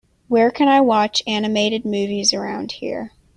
where can i watch animated movies around here